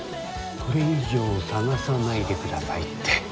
これ以上探さないでくださいって。